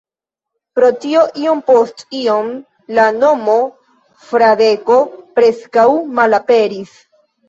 Pro tio iom post iom la nomo Fradeko preskaŭ malaperis.